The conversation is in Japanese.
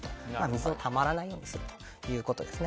水がたまらないようにするということです。